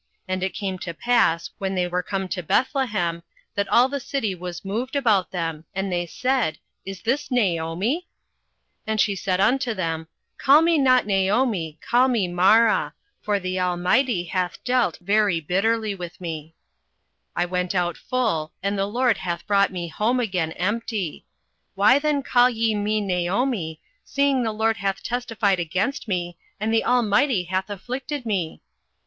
And it came to pass, when they were come to Bethlehem, that all the city was moved about them, and they said, Is this Naomi? 08:001:020 And she said unto them, Call me not Naomi, call me Mara: for the Almighty hath dealt very bitterly with me. 08:001:021 I went out full and the LORD hath brought me home again empty: why then call ye me Naomi, seeing the LORD hath testified against me, and the Almighty hath afflicted me?